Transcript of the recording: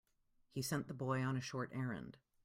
He sent the boy on a short errand.